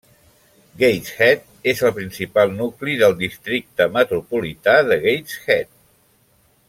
Gateshead és el principal nucli del districte metropolità de Gateshead.